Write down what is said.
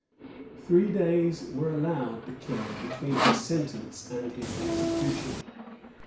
[*] Three days were allowed the king between his sentence and his execution.